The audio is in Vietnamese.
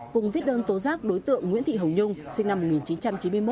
cùng viết đơn tố giác đối tượng nguyễn thị hồng nhung sinh năm một nghìn chín trăm chín mươi một